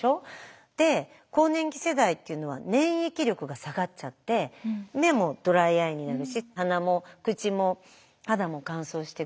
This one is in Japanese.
で更年期世代っていうのは粘液力が下がっちゃって目もドライアイになるし鼻も口も肌も乾燥してくる。